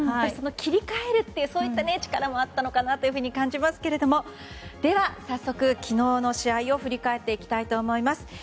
切り替えるといった力もあったのかなと感じますけれどもでは早速昨日の試合を振り返っていきたいと思います。